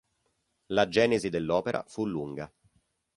La genesi dell'opera fu lunga.